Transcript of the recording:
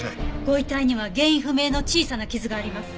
ご遺体には原因不明の小さな傷があります。